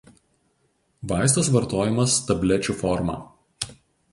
Vaistas vartojamas tablečių forma.